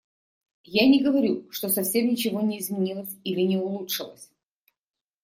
Я не говорю, что совсем ничего не изменилось или не улучшилось.